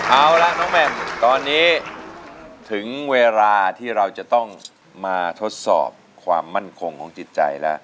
เอาล่ะน้องแหม่มตอนนี้ถึงเวลาที่เราจะต้องมาทดสอบความมั่นคงของจิตใจแล้ว